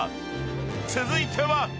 ［続いては］